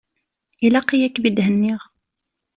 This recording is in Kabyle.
Ilaq-yi ad kem-id-henniɣ.